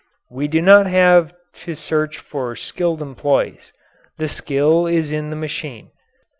We do not have to search for skilled employees. The skill is in the machine.